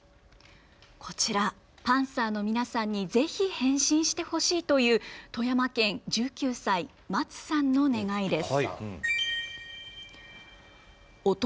こちらパンサーの皆さんにぜひ返信してほしいという富山県、１９歳まつさんの願いです。